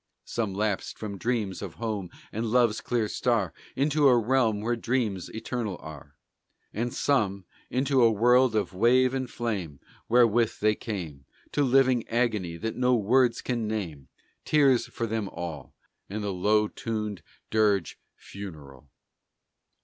Some lapsed from dreams of home and love's clear star Into a realm where dreams eternal are; And some into a world of wave and flame Wherethrough they came To living agony that no words can name. Tears for them all, And the low tunèd dirge funereal!